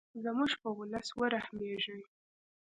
زموږ په ولس ورحمیږې.